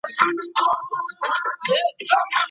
ښه انسان تل هيله خپروي